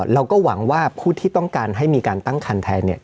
เราก็หวังว่าผู้ที่ต้องการให้มีการตั้งคันแทนเนี่ย